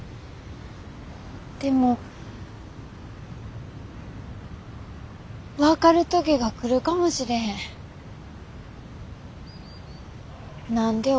でも分かる時が来るかもしれへん。